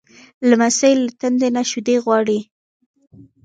لمسی له تندې نه شیدې غواړي.